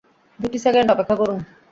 দুটি সেকেন্ড অপেক্ষা করুন।